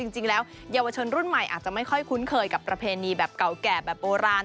จริงแล้วเยาวชนรุ่นใหม่อาจจะไม่ค่อยคุ้นเคยกับประเพณีแบบเก่าแก่แบบโบราณ